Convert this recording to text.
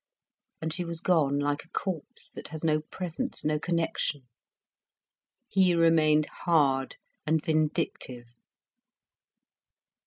And she was gone like a corpse, that has no presence, no connection. He remained hard and vindictive.